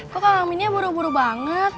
kok bang aminnya buru buru banget